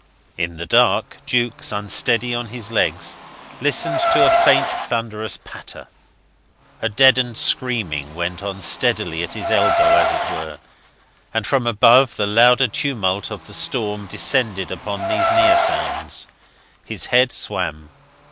In the dark, Jukes, unsteady on his legs, listened to a faint thunderous patter. A deadened screaming went on steadily at his elbow, as it were; and from above the louder tumult of the storm descended upon these near sounds. His head swam.